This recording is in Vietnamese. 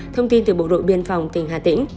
thông tin từ bộ đội biên phòng tỉnh hà tĩnh